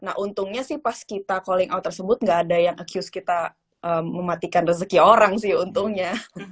nah untungnya sih pas kita calling out tersebut gak ada yang acuse kita mematikan rezeki orang sih untungnya